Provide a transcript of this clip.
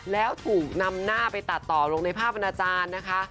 แล้วถูกนำหน้าไปตัดต่อลงในภาพอนาจารย์นะคะ